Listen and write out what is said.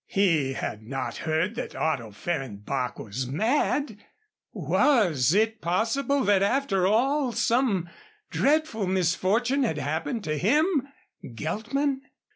He had not heard that Otto Fehrenbach was mad. Was it possible that after all some dreadful misfortune had happened to him, Geltman?